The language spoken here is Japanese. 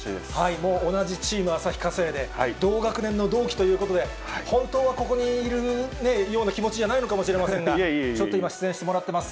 もう同じチーム、旭化成で、同学年の同期ということで、本当はここにいるような気持じゃないのかもしれませんが、ちょっと今、出演してもらってます。